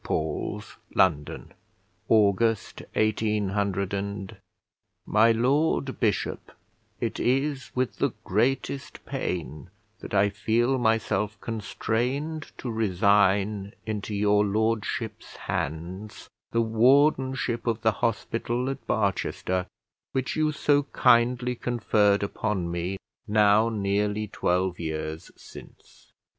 PAUL's, LONDON, August, 18 My LORD BISHOP, It is with the greatest pain that I feel myself constrained to resign into your Lordship's hands the wardenship of the hospital at Barchester, which you so kindly conferred upon me, now nearly twelve years since.